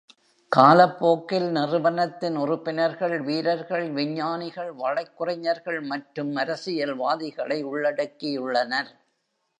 காலப்போக்கில் நிறுவனத்தின் உறுப்பினர்கள் வீரர்கள், விஞ்ஞானிகள், வழக்குரைஞர்கள் மற்றும் அரசியல்வாதிகளை உள்ளடக்கியுள்ளனர்.